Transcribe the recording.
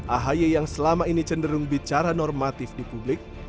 ahy yang selama ini cenderung bicara normatif di publik